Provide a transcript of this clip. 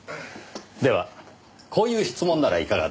ではこういう質問ならいかがでしょう？